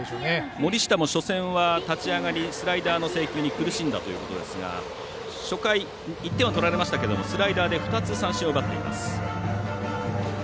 森下も初戦立ち上がり、スライダーの制球に苦しんだということですが初回、１点を取られましたけどもスライダーで２つ三振を奪っています。